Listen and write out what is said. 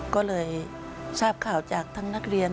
ก็เลยทราบข่าวจากทั้งนักเรียน